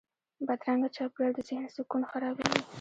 بدرنګه چاپېریال د ذهن سکون خرابوي